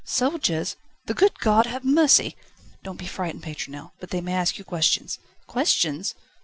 "Soldiers! The good God have mercy!" "Don't be frightened, Pétronelle. But they may ask you questions." "Questions?"